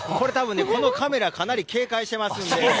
このカメラをかなり警戒しています。